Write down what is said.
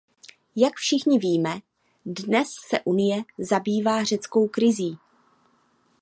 Jak všichni víme, dnes se Unie zabývá řeckou krizí.